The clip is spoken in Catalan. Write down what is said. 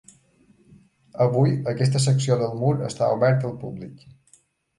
Avui, aquesta secció del mur està oberta al públic.